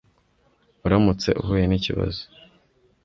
uramutse uhuye nikibazo!